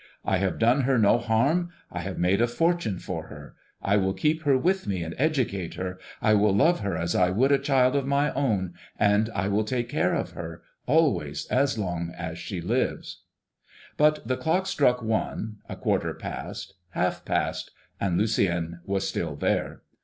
I have done her no harm; I have made a fortune for her. I will keep her with me and educate her; I will love her as I would a child of my own, and I will take care of her, always, as long as she lives!" But the clock struck one, a quarter past, half past, and Lucien was still there.